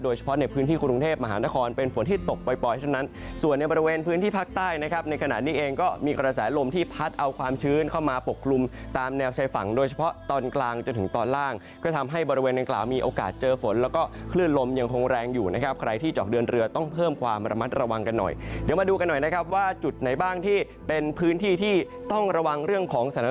โดยเฉพาะในพื้นที่กรุงเทพมหานครเป็นฝนที่ตกปล่อยเท่านั้นส่วนในบริเวณพื้นที่ภาคใต้นะครับในขณะนี้เองก็มีกระแสลมที่พัดเอาความชื้นเข้ามาปกกลุ่มตามแนวชายฝังโดยเฉพาะตอนกลางจนถึงตอนล่างก็ทำให้บริเวณกล่าวมีโอกาสเจอฝนแล้วก็คลื่นลมยังคงแรงอยู่นะครับใครที่เจาะเดือนเรือ